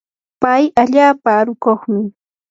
pay allaapa arukuqmi.